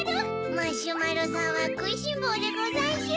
マシュマロさんはくいしんぼうでござんしゅ。